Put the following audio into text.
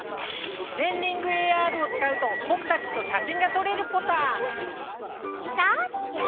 「ねんリングＡＲ」を使うとぼくたちとしゃしんがとれるポタ。